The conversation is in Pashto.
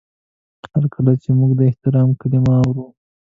هر کله چې موږ د احترام کلمه اورو